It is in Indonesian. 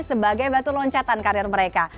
sebagai batu loncatan karir mereka